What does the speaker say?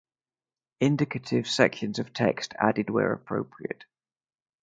Indicative sections of text added where appropriate.